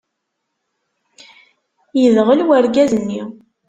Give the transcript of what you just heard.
Yedɣel urgaz-nni!